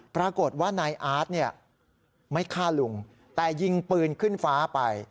ปรากฏว่านายอาร์ตเนี่ยไม่ฆ่าลุงแต่ยิงปืนขึ้นฟ้าไป